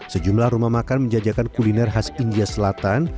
sejumlah rumah makan menjajakan kuliner khas india selatan